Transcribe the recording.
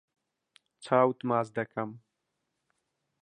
چاوت ماچ دەکەم.